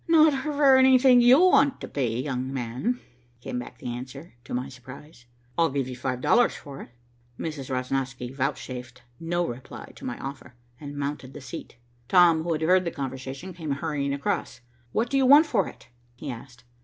"Not for anything you want to pay, young man," came back the answer, to my surprise. "I'll give you five dollars for it," I said. Mrs. Rosnosky vouchsafed no reply to my offer, and mounted the seat. Tom, who had heard the conversation, came hurrying across. "What do you want for it?" he asked.